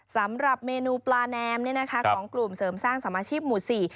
สำหรับเมนูปลาแนมเนี่ยนะคะของกลุ่มเสริมสร้างสมาชีพหมู่สี่